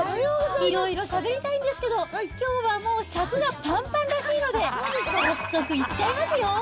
いろいろしゃべりたいんですけど、きょうはもう尺がぱんぱんらしいので、早速いっちゃいますよ。